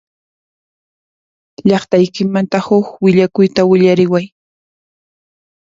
Llaqtaykimanta huq willakuyta willariway.